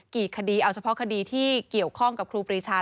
กี่คดีเอาเฉพาะคดีที่เกี่ยวข้องกับครูปรีชา